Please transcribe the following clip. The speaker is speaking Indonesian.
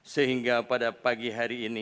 sehingga pada pagi hari ini